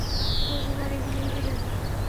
তোর জন্য অনেক ভাড়ি হয়ে যাবে।